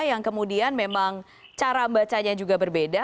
yang kemudian memang cara bacanya juga berbeda